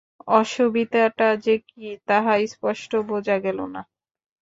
অসুবিধাটা যে কী তাহা স্পষ্ট বুঝা গেল না।